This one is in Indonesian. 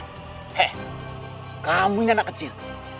eh kamu ini anak kecil